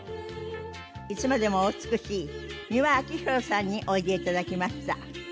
いつまでもお美しい美輪明宏さんにおいでいただきました。